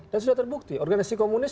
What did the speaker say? dan sudah terbukti organisasi komunis